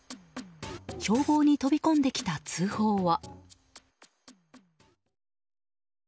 消防に飛び込んできた通報は。